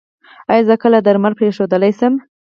ایا زه کله درمل پریښودلی شم؟